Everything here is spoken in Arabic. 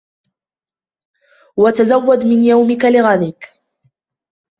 وَتَزَوَّدْ مِنْ يَوْمِك لِغَدِكَ